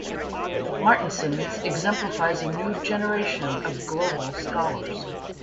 Martinsons exemplifies a new generation of global scholars.